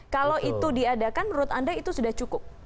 kalau itu diadakan menurut anda itu sudah cukup